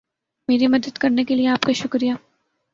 میری مدد کرنے کے لئے آپ کا شکریہ